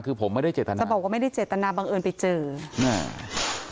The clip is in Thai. คือผมไม่ได้เจตนาจะบอกว่าไม่ได้เจตนาบังเอิญไปเจออ่า